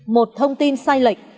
một thông tin sai lệch